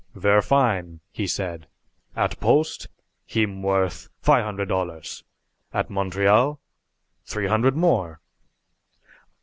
"Ver' fine!" he said. "At Post heem worth fi' hundred dollars at Montreal t'ree hundred more!"